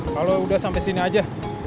kalau udah sampai sini aja